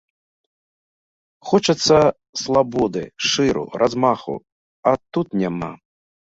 Хочацца слабоды, шыру, размаху, а тут няма.